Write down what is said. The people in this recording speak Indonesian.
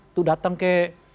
itu datang ke